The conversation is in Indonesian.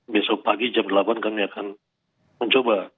besok pagi jam delapan kami akan mencoba